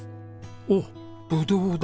おっブドウだ！